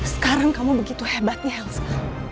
sekarang kamu begitu hebatnya health